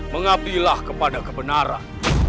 mengabdilah kepada kebenaran